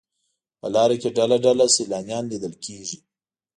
په لاره کې ډله ډله سیلانیان لیدل کېږي.